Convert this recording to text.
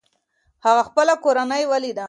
هغه خپله کورنۍ وليده.